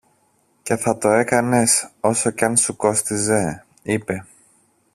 και θα το έκανες όσο και αν σου κόστιζε, είπε.